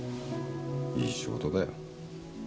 いい仕事だよ。